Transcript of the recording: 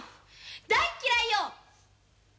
大っ嫌いよ